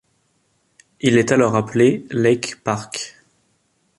Il est alors appelé Lake Park.